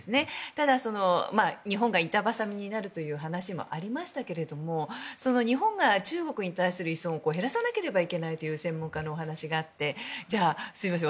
ただ、日本が板挟みになるという話もありましたが日本が中国に対する依存を減らさなければいけないという専門家のお話があってすいません